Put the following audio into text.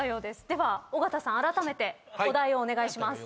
では尾形さんあらためてお題をお願いします。